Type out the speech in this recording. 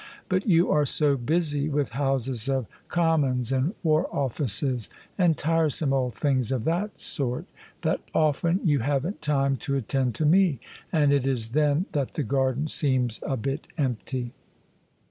But you are so busy with Houses of Com mons and War Offices and tiresome old things of that sort, THE SUBJECTION that often you haven't time to attend to me. And it is then that the garden seems a bit empty."